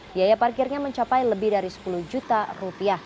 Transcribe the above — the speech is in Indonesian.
biaya parkirnya mencapai lebih dari rp sepuluh